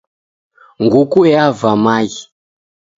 Nguku yavaa maghi.